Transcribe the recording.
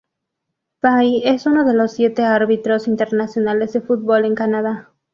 Pye es uno de los siete árbitros internacionales de fútbol en Canadá.